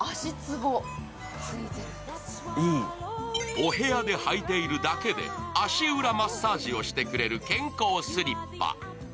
お部屋で履いているだけで足裏マッサージをしてくれる健康スリッパ。